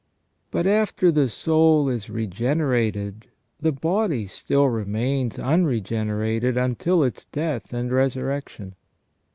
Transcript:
But after the soul is regenerated the body still remains unre generated until its death and resurrection.